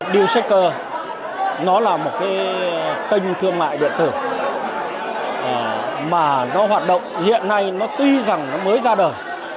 điều xác cơ nó là một cái tên thương mại điện tử mà nó hoạt động hiện nay nó tuy rằng nó mới ra đời